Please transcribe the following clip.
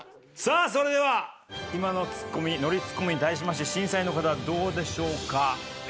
さあそれでは今のツッコミノリツッコミに対しまして審査員の方どうでしょうか？